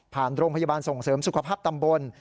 โรงพยาบาลส่งเสริมสุขภาพตำบล